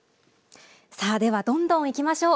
さあではどんどん行きましょう。